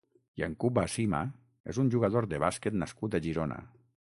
Yankuba Sima és un jugador de bàsquet nascut a Girona.